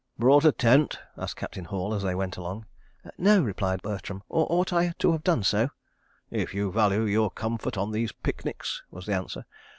"Brought a tent?" asked Captain Hall, as they went along. "No," replied Bertram. "Ought I to have done so?" "If you value your comfort on these picnics," was the answer.